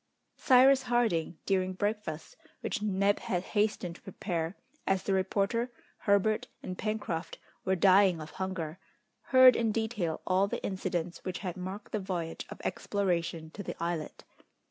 Cyrus Harding, during breakfast, which Neb had hastened to prepare, as the reporter, Herbert, and Pencroft were dying of hunger, heard in detail all the incidents which had marked the voyage of exploration to the islet.